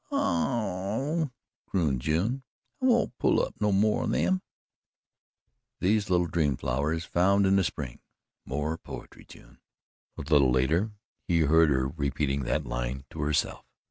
"Ah h!" crooned June. "I won't pull up no more o' THEM." '"These little dream flowers found in the spring.' More poetry, June." A little later he heard her repeating that line to herself.